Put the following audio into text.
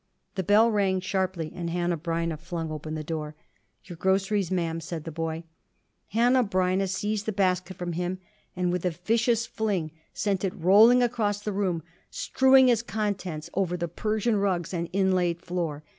The bell rang sharply, and Hanneh Breineh flung open the door. "Your groceries, ma'am," said the boy. Hanneh Breineh seized the basket from him, and with a vicious fling sent it rolling across the room, strewing its contents over the Persian rugs and inlaid floor.